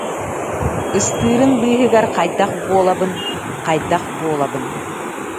Ыстыырын быыһыгар хайдах буолабын, хайдах буолабын